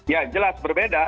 ya jelas berbeda